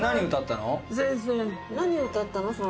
何を歌ったの？